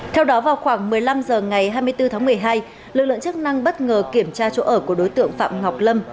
theo đó vào khoảng một mươi năm h ngày hai mươi bốn tháng một mươi hai lực lượng chức năng bất ngờ kiểm tra chỗ ở của đối tượng phạm ngọc lâm